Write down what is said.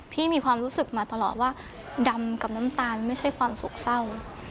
มีความรู้สึกมาตลอดว่าดำกับน้ำตาลไม่ใช่ความโศกเศร้า